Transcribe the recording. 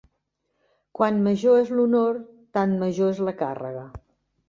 Quant major és l'honor, tant major és la càrrega.